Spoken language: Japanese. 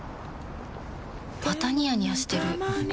またニヤニヤしてるふふ。